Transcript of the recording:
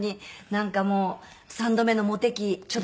なんかもう３度目のモテ期ちょっと。